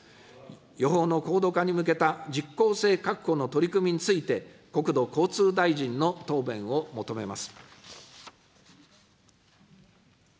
予報の高度化に向けた実効性確保の取り組みについて、国土交通大臣の答弁を求めます。